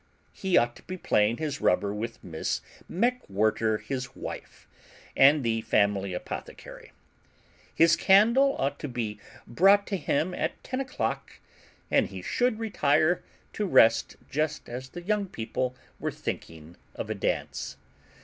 He ought to be playing his rubber with Miss MacWhirter, his wife, and the family apothecary. His candle ought to be brought to him at ten o'clock, and he should retire to rest just as the young people were thinking of a dance.